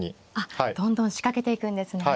どんどん仕掛けていくんですね。